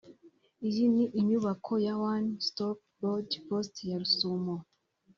Iyi ni inyubako ya One Stop Border Post ya Rusumo